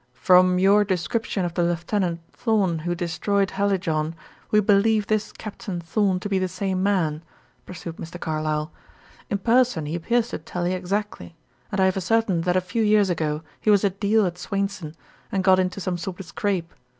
"From your description of the Lieutenant Thorn who destroyed Hallijohn, we believe this Captain Thorn to be the same man," pursued Mr. Carlyle. "In person he appears to tally exactly; and I have ascertained that a few years ago he was a deal at Swainson, and got into some sort of scrape.